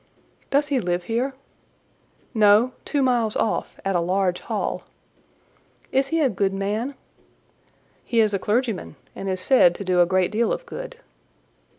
"Does he live here?" "No—two miles off, at a large hall." "Is he a good man?" "He is a clergyman, and is said to do a great deal of good."